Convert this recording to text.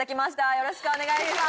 よろしくお願いします。